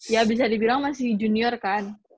ya bisa dibilang masih junior kan